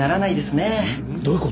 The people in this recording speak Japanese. どういう事？